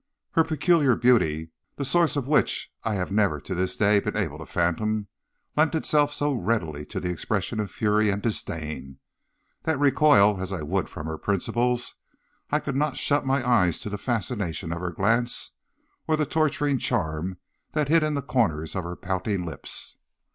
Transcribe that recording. Her peculiar beauty the source of which I have never to this day been able to fathom lent itself so readily to the expression of fury and disdain, that, recoil as I would from her principles, I could not shut my eyes to the fascination of her glance or the torturing charm that hid in the corners of her pouting lips.